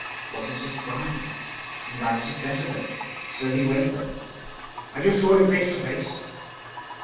What is his crime? He liked it better there, so he went there." "And you saw him face to face?"